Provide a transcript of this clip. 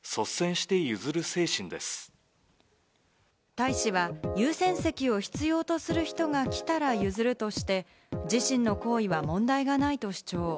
大使は優先席を必要とする人が来たら譲るとして、自身の行為は問題がないと主張。